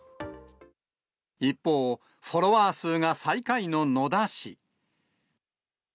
一方、フォロワー数が最下位の野田氏。